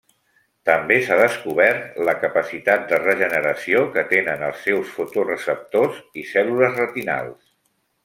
També s'ha descobert la capacitat de regeneració que tenen els seus fotoreceptors i cèl·lules retinals.